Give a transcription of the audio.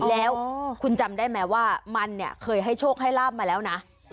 แล้วคุณจำได้ไหมว่ามันเนี่ยเคยให้โชคให้ลาบมาแล้วนะ